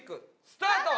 スタート！